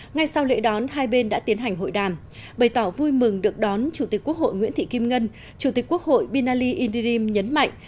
ngay sau lễ đón hai bên đã tiến hành hội đàm bày tỏ vui mừng được đón chủ tịch quốc hội nguyễn thị kim ngân chủ tịch quốc hội binali indirim nhấn mạnh